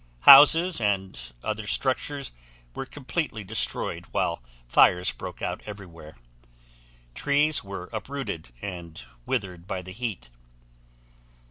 Houses and other structures were completely destroyed while fires broke out everywhere. Trees were uprooted and withered by the heat.